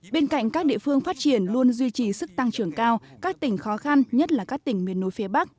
bên cạnh các địa phương phát triển luôn duy trì sức tăng trưởng cao các tỉnh khó khăn nhất là các tỉnh miền núi phía bắc